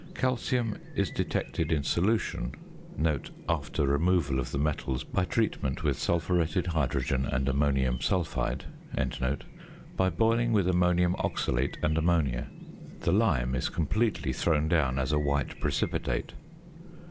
Calcium is detected in solution (after removal of the metals by treatment with sulphuretted hydrogen and ammonium sulphide) by boiling with ammonium oxalate and ammonia. The lime is completely thrown down as a white precipitate.